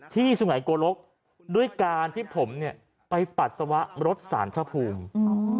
ที่สุหายโกรกด้วยการที่ผมไปปรัสสวะลดศาลพระภูมิ